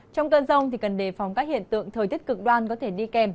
trong cơn rông cần đề phóng các hiện tượng thời tiết cực đoan có thể đi kèm